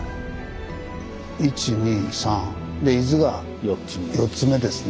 １２３で伊豆が４つ目ですね。